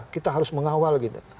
kita harus mengawal gitu